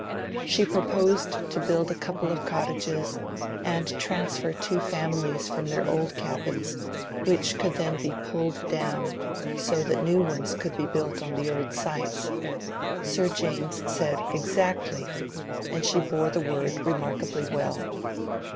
She proposed to build a couple of cottages, and transfer two families from their old cabins, which could then be pulled down, so that new ones could be built on the old sites. Sir James said "Exactly," and she bore the word remarkably well.